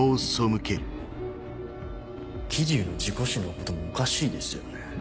桐生の事故死のこともおかしいですよね？